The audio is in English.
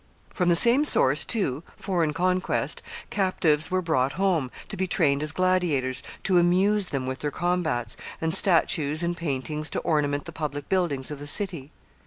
From the same source, too foreign conquest captives were brought home, to be trained as gladiators to amuse them with their combats, and statues and paintings to ornament the public buildings of the city.